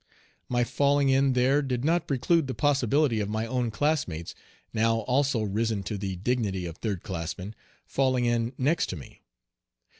My falling in there did not preclude the possibility of my own classmates, now also risen to the dignity of third classmen, falling in next to me.